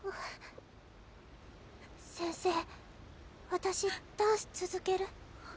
私ダンス続ける。